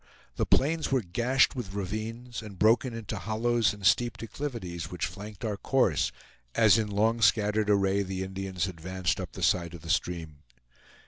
The plains were gashed with ravines and broken into hollows and steep declivities, which flanked our course, as, in long scattered array, the Indians advanced up the side of the stream.